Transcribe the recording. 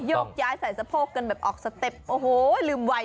โยกย้ายใส่สะโพกกันแบบออกสเต็ปโอ้โหลืมไว